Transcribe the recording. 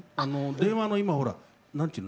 電話の今ほら何ていうの？